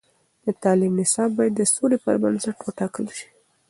د تعلیم نصاب باید د سولې پر بنسټ وټاکل شي.